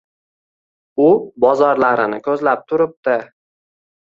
U bozorlarini ko‘zlab turibdi.